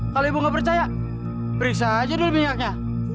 kalau ibu nggak percaya periksa aja dulu minyaknya